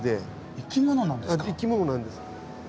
生き物なんです。